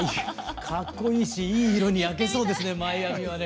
かっこいいしいい色に焼けそうですねマイアミはね。